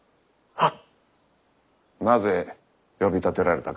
はっ。